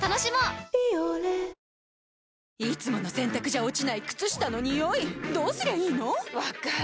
いつもの洗たくじゃ落ちない靴下のニオイどうすりゃいいの⁉分かる。